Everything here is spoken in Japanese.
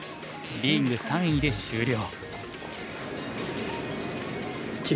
リーグ３位で終了。